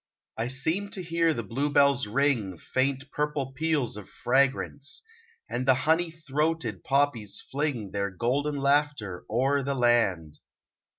I seem to hear the blue bells ring Faint purple peals of fragrance; and The honey throated poppies fling Their golden laughter o'er the land.